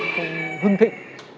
không hưng thịnh